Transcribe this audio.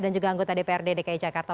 dan juga anggota dprd dki jakarta